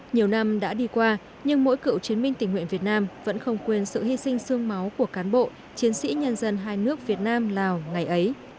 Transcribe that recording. nhiều năm đã đi qua nhưng mỗi cựu chiến binh tình nguyện việt nam vẫn không quên sự hy sinh sương máu của cán bộ chiến sĩ nhân dân hai nước việt nam lào ngày ấy